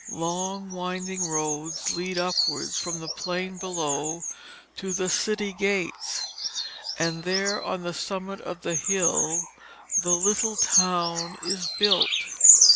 Long winding roads lead upwards from the plain below to the city gates, and there on the summit of the hill the little town is built.